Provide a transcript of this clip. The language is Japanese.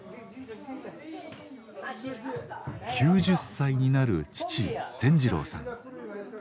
９０歳になる父善次郎さん。